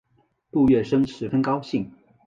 杜月笙十分高兴。